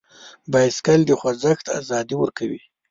بایسکل د خوځښت ازادي ورکوي.